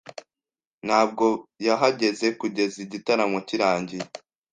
Ntabwo yahageze kugeza igitaramo kirangiye.